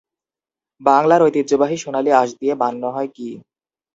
বাংলার ঐতিহ্যবাহী সোনালি আঁশ দিয়ে বানানো হয় কি?